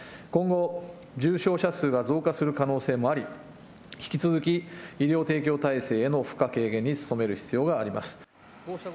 今後、重症者数が増加する可能性もあり、引き続き医療提供体制への負荷軽減に努める必要性があります。